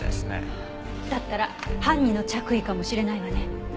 だったら犯人の着衣かもしれないわね。